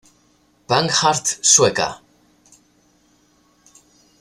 Pankhurst sueca".